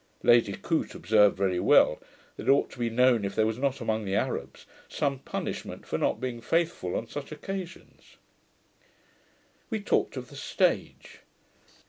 Lady Coote observed very well, that it ought to be known if there was not, among the Arabs, some punishment for not being faithful on such occasions. We talked of the stage.